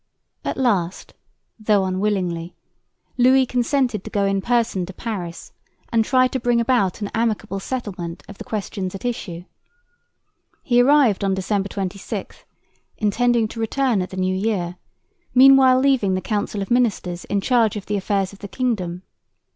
At last, though unwillingly, Louis consented to go in person to Paris and try to bring about an amicable settlement of the questions at issue. He arrived on December 26, intending to return at the New Year, meanwhile leaving the Council of Ministers in charge of the affairs of the kingdom.